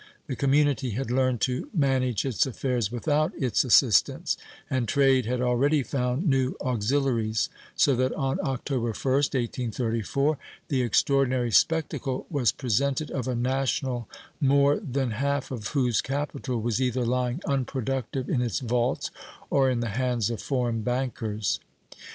The community had learned to manage its affairs without its assistance, and trade had already found new auxiliaries, so that on October 1st, 1834 the extraordinary spectacle was presented of a national more than half of whose capital was either lying unproductive in its vaults or in the hands of foreign bankers.